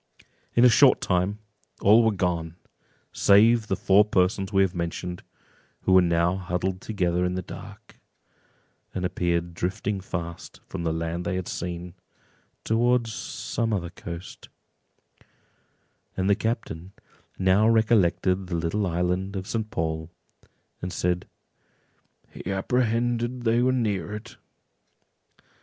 In a short time all were gone, save the four persons we have mentioned, who were now huddled together in the dark, and appeared drifting fast from the land they had seen, towards some other coast; and the captain now recollected the little island of St. Paul, and said—"He apprehended they were near it."